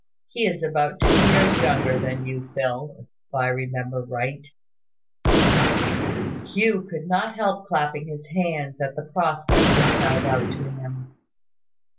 He is about two years younger than you, Phil, if I remember right." Hugh could not help clapping his hands at the prospect this held out to him.